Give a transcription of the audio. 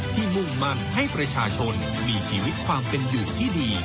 มุ่งมั่นให้ประชาชนมีชีวิตความเป็นอยู่ที่ดี